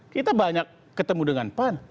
kita banyak ketemu dengan pan